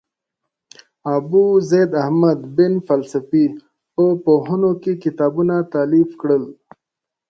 ابوزید احمد بن فلسفي په پوهنو کې کتابونه تالیف کړل.